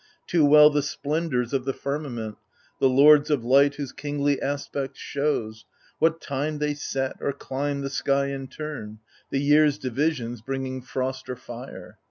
Too well, the splendours of the firmament, The lords of light, whose kingly aspect shows— What time they set or climb the sky in turn — The year's divisions, bringing frost or fire.